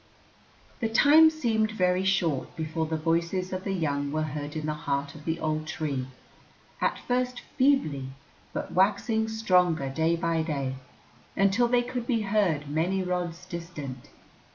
The time seemed very short before the voices of the young were heard in the heart of the old tree, at first feebly, but waxing stronger day by day until they could be heard many rods distant.